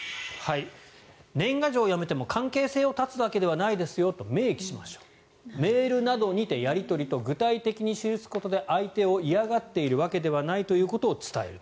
年賀状をやめても関係性を絶つわけではありませんよと明記しましょうメールなどにてやり取りと具体的に記すことで相手を嫌がっているわけではないということを伝えると。